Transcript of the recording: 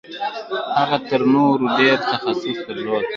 هغه تر نورو ډېر تخصص درلود.